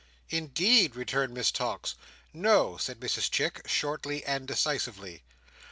"Indeed!" returned Miss Tox. "No," said Mrs Chick shortly and decisively.